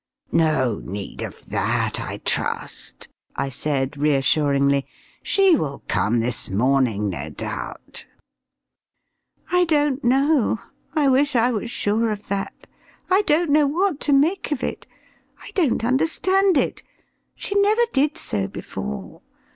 "No need of that, I trust," I said, reassuringly; "she will come this morning, no doubt." "I don't know. I wish I was sure of that. I don't know what to make of it. I don't understand it. She never did so before.